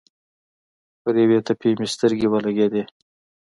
پر یوې تپې مې سترګې ولګېدې.